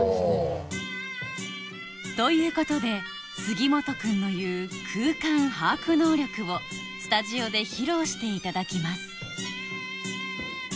あぁ。ということで杉本君の言う空間把握能力をスタジオで披露していただきます